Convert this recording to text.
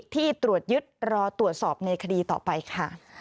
ที่ตรวจยึดรอตรวจสอบในคดีต่อไปค่ะ